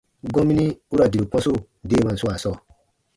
Gɔmini u ra diru kɔ̃su deemaan swaa sɔɔ,